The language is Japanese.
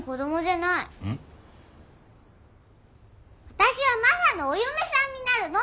私はマサのお嫁さんになるの！